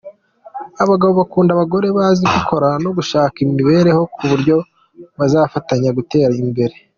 Abagabo bakunda abagore bazi gukora no gushaka imibereho ku buryo bazafatanya gutera imbere.